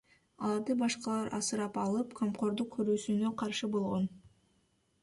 Аларды башкалар асырап алып, камкордук көрүүсүнө каршы болгон.